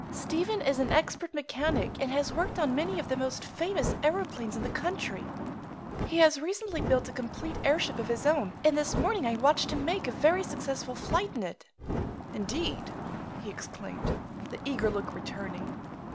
"Stephen is an expert mechanic and has worked on many of the most famous aëroplanes in the country. He has recently built a complete airship of his own, and this morning I watched him make a very successful flight in it." "Indeed?" he exclaimed, the eager look returning.